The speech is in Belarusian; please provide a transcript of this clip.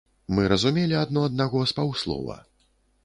Мы разумелі адно аднаго з паўслова.